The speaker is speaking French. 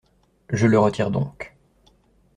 Je le retire donc.